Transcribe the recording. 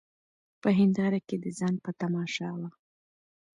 په هینداره کي د ځان په تماشا وه